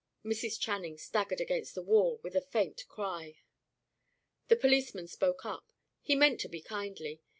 Mrs. Channing staggered against the wall, with a faint cry. The policeman spoke up: he meant to be kindly.